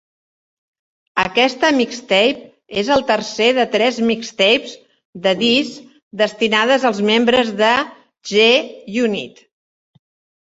Aquesta mixtape és el tercer de tres mixtapes de "diss" destinades als membres de G-Unit.